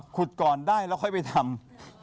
ก่อนได้แล้วค่อยไปทำ